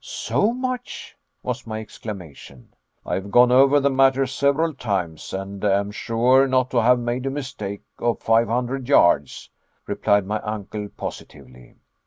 "So much?" was my exclamation. "I have gone over the matter several times, and am sure not to have made a mistake of five hundred yards," replied my uncle positively.